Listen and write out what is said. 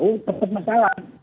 oh tetap masalah